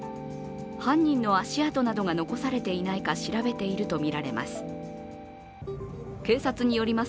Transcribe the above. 犯人の足跡などが残されていないか調べているとみられます。